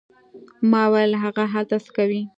ما وویل: هغه هلته څه کوي؟